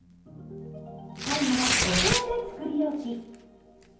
最後はオクラでつくりおき。